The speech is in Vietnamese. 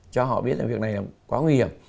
cho họ biết là việc này là quá nguy hiểm